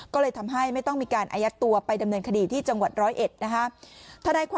ก็เลยทำให้ไม่ต้องมีการอายัดตัวไปดำเนินคดีที่จังหวัดร้อยเอ็ดนะคะ